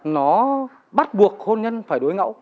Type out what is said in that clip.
nó bắt buộc hôn nhân phải đối ngẫu